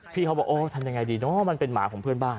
พี่เขาบอกโอ้ทำยังไงดีเนอะมันเป็นหมาของเพื่อนบ้าน